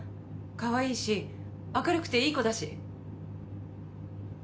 可愛いし明るくて、いい子だし。